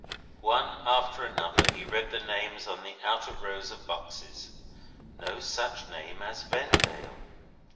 One after another, he read the names on the outer rows of boxes. No such name as Vendale!